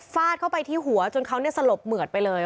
ฟาดเข้าไปที่หัวจนเขาเนี่ยสลบเหมือดไปเลย